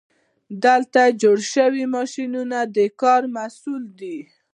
دلته جوړ شوی ماشین د کار محصول دی.